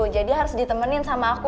jadi harus ditemenin sama aku